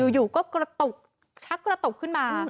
อยู่ก็กระตุกชักกระตุกขึ้นมา